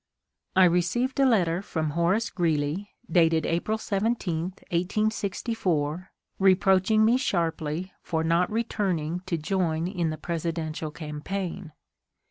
I received a letter from Horace Greeley, dated April 17, 1864, reproaching me sharply for not returning to join in the presidential campaign.